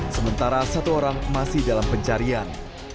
sementara satu orang masih dalam pencarian